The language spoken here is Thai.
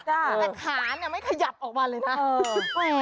แต่ขาเนี่ยไม่ขยับออกมาเลยนะ